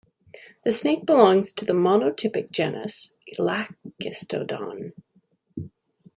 The snake belongs to the monotypic genus "Elachistodon".